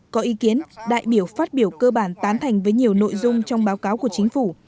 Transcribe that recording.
có ý kiến đại biểu phát biểu cơ bản tán thành với nhiều nội dung trong báo cáo của chính phủ